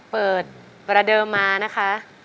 ประเดิมมานะคะ